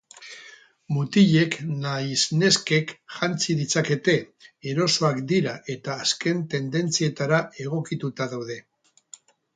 Mutilek nahiz neskek jantzi ditzakete, erosoak dira eta azken tendentzietara egokituta daude.